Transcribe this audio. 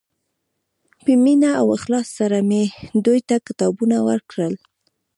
په مینه او اخلاص سره مې دوی ته کتابونه ورکړل.